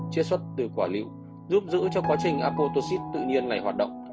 chia xuất từ quả liệu giúp giữ cho quá trình aquotoxic tự nhiên ngày hoạt động